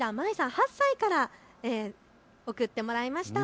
８歳から送ってもらいました。